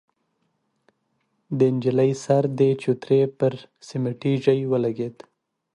د نجلۍ سر د چوترې پر سميټي ژۍ ولګېد.